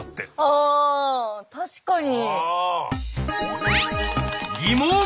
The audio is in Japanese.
ああ確かに。